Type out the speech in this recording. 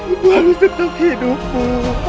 ibu harus tetap hidup ibu